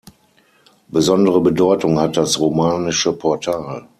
Besondere Bedeutung hat das romanische Portal.